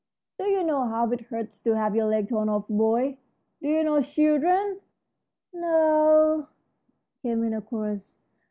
"Do you know how it hurts to have your leg torn off, boy? Do you know, children?" "No," came in a chorus.